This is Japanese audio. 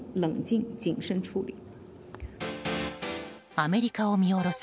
アメリカを見下ろす